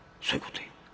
「そういうこって」。